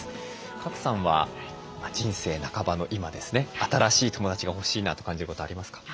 賀来さんは人生半ばの今ですね新しい友だちが欲しいなと感じることありますか？